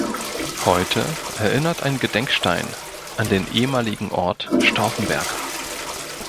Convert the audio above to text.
Heute erinnert ein Gedenkstein an den ehemaligen Ort Staufenberg.